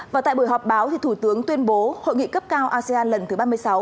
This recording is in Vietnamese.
và tại buổi họp báo thủ tướng tuyên bố hội nghị cấp cao asean lần thứ ba mươi sáu